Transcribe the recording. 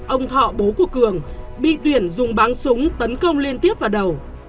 ông thọ bố của cường bị tuyển dùng bán súng tấn công liên tiếp vào đầu